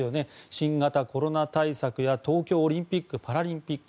新型コロナ対策や東京オリンピック・パラリンピック